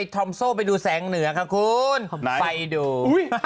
ทอมโซ่ไปดูแสงเหนือค่ะคุณไปดู